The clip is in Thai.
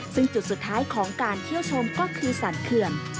ซึ่งจุดสุดท้ายของการเที่ยวชมก็คือสรรเขื่อน